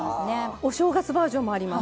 お正月バージョンもあります。